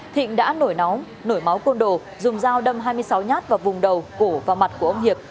thịnh đã nổi máu nổi máu côn đồ dùng dao đâm hai mươi sáu nhát vào vùng đầu cổ và mặt của ông hiệp